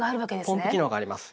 ポンプ機能があります！